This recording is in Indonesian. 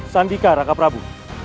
senikah raka prabu